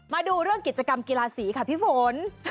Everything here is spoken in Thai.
มาดูเรื่องกิจกรรมกีฬาสีค่ะพี่ฝน